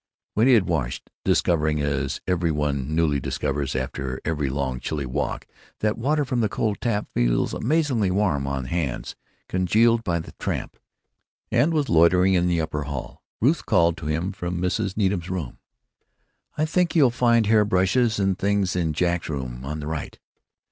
When he had washed (discovering, as every one newly discovers after every long, chilly walk, that water from the cold tap feels amazingly warm on hands congealed by the tramp), and was loitering in the upper hall, Ruth called to him from Mrs. Needham's room: "I think you'll find hair brushes and things in Jack's room, to the right.